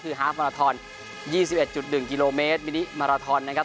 คือฮาร์ฟมาราทอนยี่สิบเอ็ดจุดหนึ่งกิโลเมตรมินิมาราทอนนะครับ